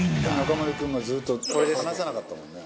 「中丸君がずっと離さなかったもんね」